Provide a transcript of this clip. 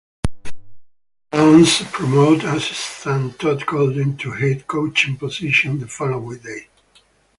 The Dons promoted assistant Todd Golden to head coaching position the following day.